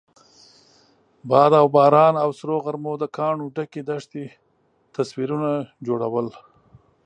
باد او باران او سرو غرمو د کاڼو ډکې دښتې تصویرونه جوړول.